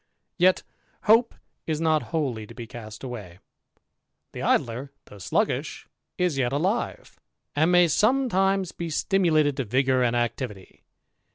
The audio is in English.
Yet hope is not wholly to be cast away. The Idler, though sluggish, is yet alive, and may sometimes be stimulated to vigour and activity.